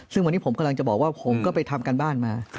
ซึ่งวันนี้ผมกำลังจะบอกว่าผมก็ไปทำการบ้านมา